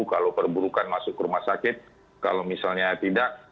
kalau perburukan masuk ke rumah sakit kalau misalnya tidak